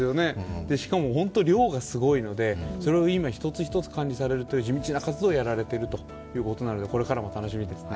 しかも本当に量がすごいので今、一つ一つ管理されるという地道な活動をやられているということなので、これからも楽しみですね。